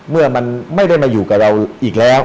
เมื่อมันไม่ได้มาอยู่กับเราอีกแล้ว